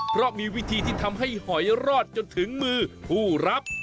เพราะมีวิธีที่ทำให้หอยรอดจนถึงมือผู้รับ